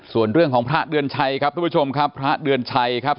ส่วนเรื่องของพระเดือนชัยครับทุกผู้ชมครับพระเดือนชัยครับ